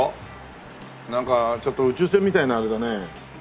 なんかちょっと宇宙船みたいなあれだね。